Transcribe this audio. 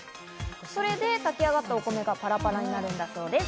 それで炊きあがったお米がパラパラになるんだそうです。